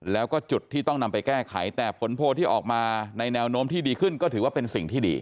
แล้วก็จุดที่ต้องนำไปแก้ไขแต่ผลโพลที่ออกมาในแนวโน้มที่ดีขึ้นก็ถือว่าเป็นสิ่งที่ดี